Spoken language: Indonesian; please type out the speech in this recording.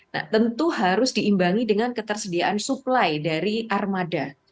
nah tentu harus diimbangi dengan ketersediaan suplai dari armada